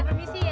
oke makasih ya